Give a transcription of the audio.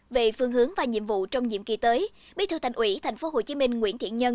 về phương hướng và nhiệm vụ trong nhiệm kỳ tới bí thư thành ủy tp hcm nguyễn thiện nhân